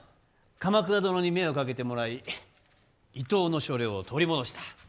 鎌倉殿に目をかけてもらい伊東の所領を取り戻した。